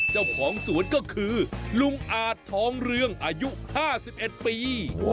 เจ้าของสวนก็คือลุงอาจทองเรืองอายุ๕๑ปี